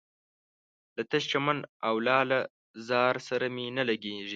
له تش چمن او لاله زار سره مي نه لګیږي